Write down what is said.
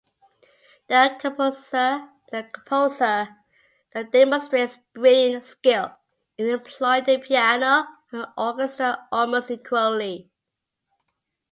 The composer demonstrates brilliant skill in employing the piano and orchestra almost equally.